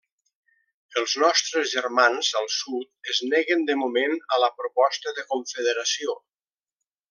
Els nostres germans al sud es neguen de moment a la proposta de la confederació.